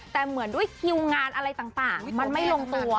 แต่เหมือนด้วยคิวงานอะไรต่างมันไม่ลงตัว